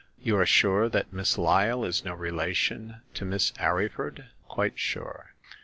You are sure that Miss Lyle is no relation to Mrs. Arryford ?"" Quite sure.